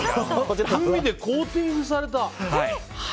グミでコーティングされた。